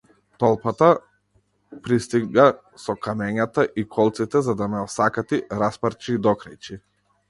Толпата пристига со камењата и колците за да ме осакати, распарчи и докрајчи.